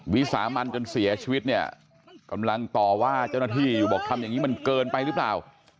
วิสามันจนเสียชีวิตเนี่ยกำลังต่อว่าเจ้าหน้าที่อยู่บอกทำอย่างนี้มันเกินไปหรือเปล่า